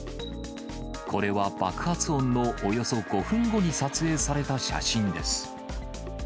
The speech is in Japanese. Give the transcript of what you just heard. これは爆発音のおよそ５分後に撮影された写真です。